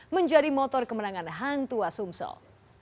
menjadi motor kemenangan hangtua sumsel